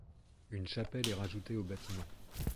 Une chapelle est rajoutée aux bâtiments.